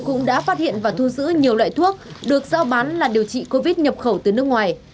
cũng đã phát hiện và thu giữ nhiều loại thuốc được giao bán là điều trị covid một mươi chín nhập khẩu từ nước ngoài